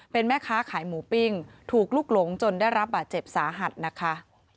เป็นแม่ค้าขายหมูปิ้งถูกลุกหลงจนได้รับบาดเจ็บสาหัสนะคะ